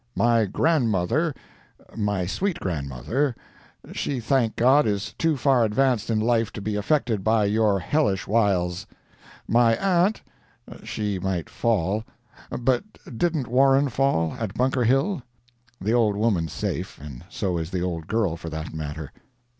My grandmother—my sweet grandmother—she, thank God, is too far advanced in life to be affected by your hellish wiles. My aunt—she might fall. But didn't Warren fall, at Bunker Hill? [The old woman's safe. And so is the old girl, for that matter.